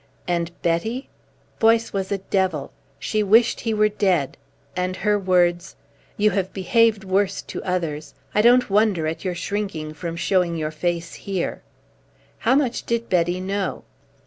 And Betty? Boyce was a devil. She wished he were dead. And her words: "You have behaved worse to others. I don't wonder at your shrinking from showing your face here." How much did Betty know?